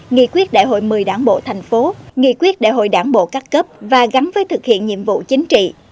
nghị quyết đại hội một mươi đảng bộ thành phố nghị quyết đại hội đảng bộ các cấp và gắn với thực hiện nhiệm vụ chính trị